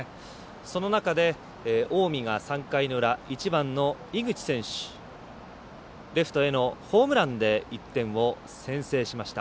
その中で、近江が３回の裏１番の井口選手レフトへのホームランで１点を先制しました。